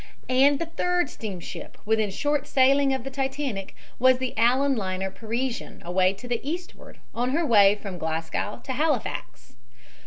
And the third steamship within short sailing of the Titanic was the Allan liner Parisian away to the eastward, on her way from Glasgow to Halifax.